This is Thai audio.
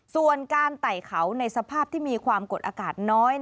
ส่วนการไต่เขาในสภาพที่มีความกดอากาศน้อย